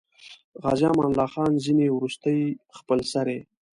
عازي امان الله خان ځینې وروستۍخپلسرۍ.